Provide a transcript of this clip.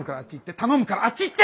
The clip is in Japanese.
頼むからあっち行って！